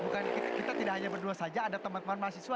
bukan kita tidak hanya berdua saja ada teman teman mahasiswa